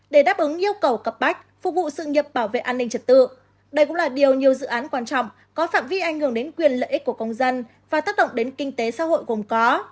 để đáp ứng yêu cầu cấp bách phục vụ sự nghiệp bảo vệ an ninh trật tự đây cũng là điều nhiều dự án quan trọng có phạm vi ảnh hưởng đến quyền lợi ích của công dân và tác động đến kinh tế xã hội gồm có